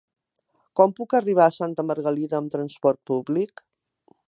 Com puc arribar a Santa Margalida amb transport públic?